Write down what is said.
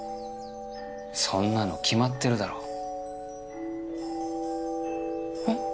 そんなの決まってるだろ。え？